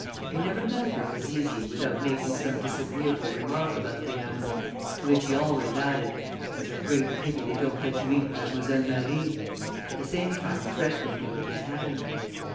He never met her with Zizi without making some disagreeable remark about the animal, to which he always added, "It's a great pity they don't let you eat Mademoiselle Marie," at the same time threatening him with his hand.